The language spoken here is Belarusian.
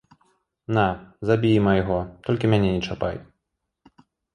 На, забі і майго, толькі мяне не чапай.